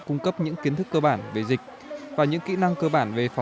cung cấp cho các bậc phụ huynh